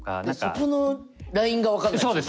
そこのラインが分かんないんすけど。